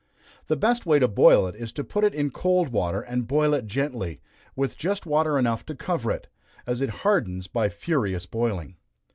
The best way to boil it is to put it in cold water, and boil it gently, with just water enough to cover it, as it hardens by furious boiling.